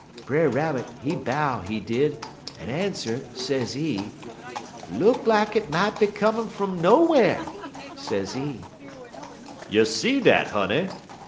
"Brer Rabbit, he bow, he did, un answer, sezee: "'Look like it mought be comin' frun nowhar,' sezee." "You see dat, honey!"